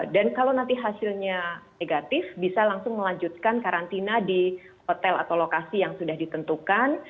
dan kalau nanti hasilnya negatif bisa langsung melanjutkan karantina di hotel atau lokasi yang sudah ditentukan